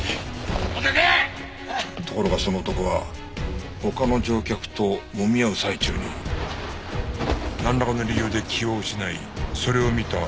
ところがその男は他の乗客ともみ合う最中になんらかの理由で気を失いそれを見た榎本は。